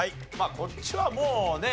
こっちはもうね。